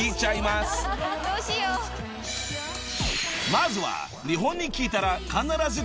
［まずは］